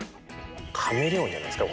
カメレオンじゃないですか？